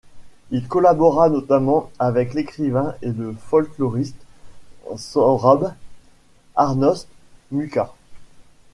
Il collabora notamment avec l'écrivain et folkloriste sorabe Arnost Muka.